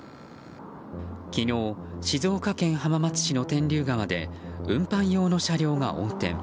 昨日、静岡県浜松市の天竜川で運搬用の車両が横転。